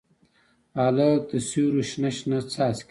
هلک د سیورو شنه، شنه څاڅکي